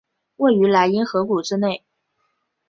位于莱茵河谷之内。